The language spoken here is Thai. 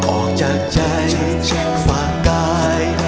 ออกจากใจฝากกาย